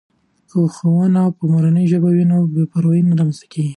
که ښوونه په مورنۍ ژبه وي نو بې پروایي نه رامنځته کېږي.